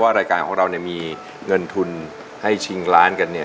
ว่ารายการของเรามีเงินทุนให้ชิงล้านกัน